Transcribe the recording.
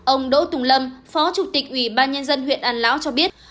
ông đỗ tùng lâm phó chủ tịch ủy ban nhân dân huyện an lão cho biết